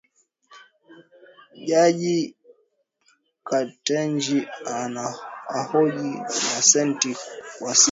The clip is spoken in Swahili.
Jaji Ketanji ahojiwa na seneti kwa siku ya pili